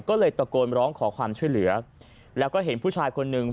ก็เลยตะโกนร้องขอความช่วยเหลือแล้วก็เห็นผู้ชายคนหนึ่ง